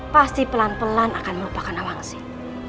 pasti pelan pelan akan melupakan nawang sih